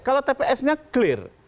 kalau tps nya clear